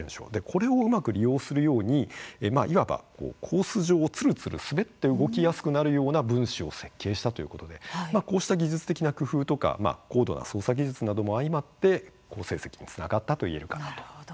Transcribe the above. これをうまく利用するようにいわばコース上をつるつる滑って動きやすくなるような分子を設計したということでこうした技術的な工夫とか高度な操作技術なども相まって好成績につながったと言えるかなと。